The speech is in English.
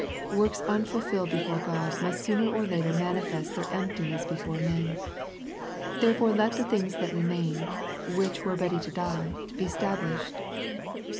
Works unfulfilled before God must sooner or later manifest their emptiness before men. Therefore let the things that remain, which were ready to die be stablished.